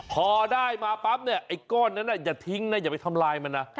พอได้มาปั๊บเนี่ยไอ้ก้อนนั้นอย่าทิ้งนะอย่าไปทำลายมันนะ